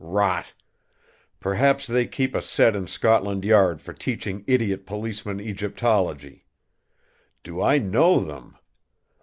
Rot! Perhaps they keep a set in Scotland Yard for teaching idiot policemen Egyptology! Do I know them?